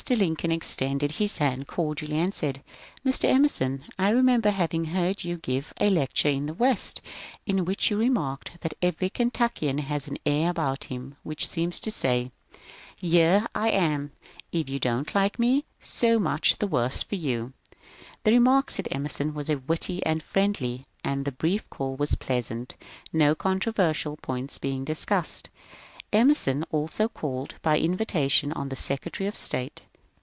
Lincoln extended his hand cor dially and said: "Mr. EmersOn; f" remember having heard you give a lecture in the West, in which you remarked that every Kentuokian has an air about him which seems to say. > S V'J n '. M V i7 \,/ V ,* L 3 '.^ J iv. ll dJ tJ 860 MONCURE DANIEL CX)NWAY ^Here I am; if you don't like me, so much the worse for you I '" The remark, said Emerson, was witty and friendly, and the brief call was pleasant, — no oontroversial points being discussed. Emerson also called by invitation on the Secre tary of State.